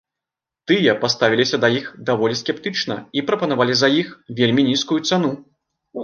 Тыя паставіліся да іх даволі скептычна і прапанавалі за іх вельмі нізкую цану.